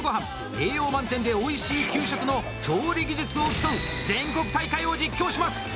栄養満点でおいしい給食の調理技術を競う全国大会を実況します！